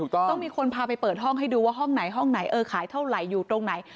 ต้องมีคนพาไปเปิดห้องให้ดูว่าห้องไหนห้องไหนเออขายเท่าไหร่อยู่ตรงไหน